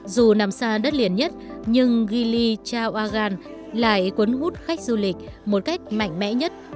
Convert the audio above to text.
dù nằm xa đất liền nhất nhưng gili chawagan lại cuốn hút khách du lịch một cách mạnh mẽ nhất